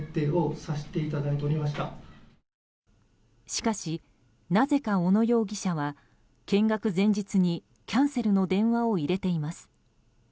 しかし、なぜか小野容疑者は見学前日にキャンセルの電話を入れています。